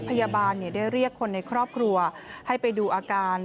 พยาบาลได้เรียกคนในครอบครัวให้ไปดูอาการ